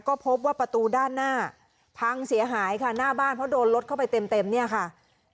ก็พบว่าประตูด้านหน้าพังเสียหายค่ะหน้าบ้านเพราะโดนรถเข้าไปเต็มเนี่ยค่ะ